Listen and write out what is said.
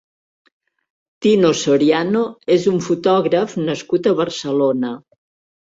Tino Soriano és un fotògraf nascut a Barcelona.